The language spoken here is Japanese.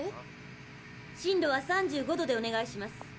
進路は３５度でお願いします。